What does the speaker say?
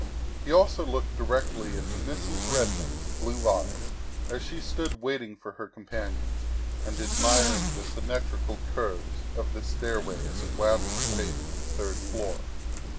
He also looked directly into Mrs. Redmond's blue eyes as she stood waiting for her companions and admiring the symmetrical curves of the stairway as it wound its way to the third floor.